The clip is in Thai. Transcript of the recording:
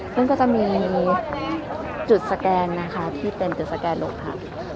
ซึ่งก็จะมีจุดสแกนนะคะที่เป็นจุดสแกนหลบค่ะ